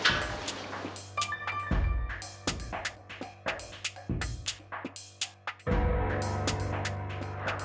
yang lebih baik